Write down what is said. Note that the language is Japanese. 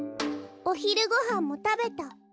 おひるごはんもたべた。